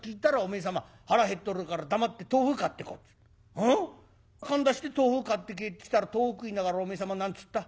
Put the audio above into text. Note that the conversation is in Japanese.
おらかんだして豆腐買って帰ってきたら豆腐食いながらおめえ様何つった？